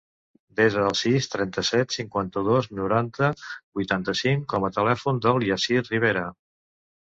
Desa el sis, trenta-set, cinquanta-dos, noranta, vuitanta-cinc com a telèfon del Yassir Ribera.